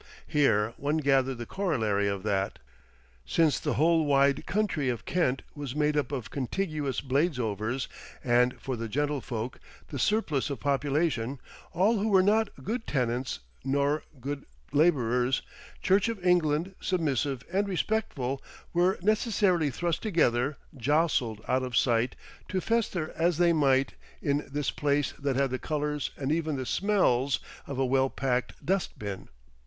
Here one gathered the corollary of that. Since the whole wide country of Kent was made up of contiguous Bladesovers and for the gentlefolk, the surplus of population, all who were not good tenants nor good labourers, Church of England, submissive and respectful, were necessarily thrust together, jostled out of sight, to fester as they might in this place that had the colours and even the smells of a well packed dustbin.